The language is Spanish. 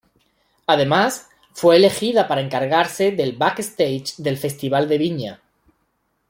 Además, fue elegida para encargarse del backstage del "Festival de Viña".